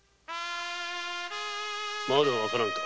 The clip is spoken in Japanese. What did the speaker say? まだ分からぬか！